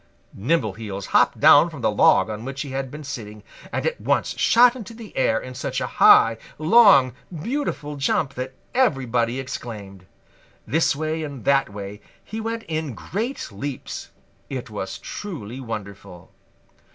Nimbleheels hopped down from the log on which he had been sitting and at once shot into the air in such a high, long, beautiful jump that everybody exclaimed. This way and that way he went in great leaps. It was truly wonderful.